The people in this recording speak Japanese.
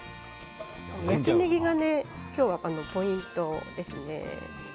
焼きねぎがね、今日はポイントですね。